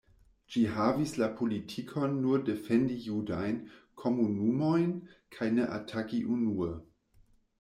Ĝi havis la politikon nur defendi judajn komunumojn kaj ne ataki unue.